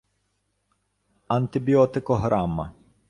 антибіотикограма